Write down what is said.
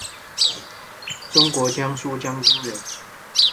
中国江苏江阴人。